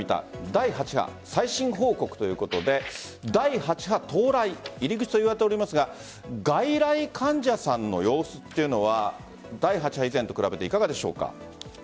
第８波最新報告ということで第８波到来入り口といわれていますが外来患者さんの様子というのは第８波以前と比べていかがでしょうか？